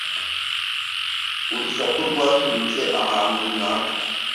Urusaku rwaturutse ahantu runaka.